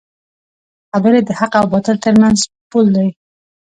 خبرې د حق او باطل ترمنځ پول دی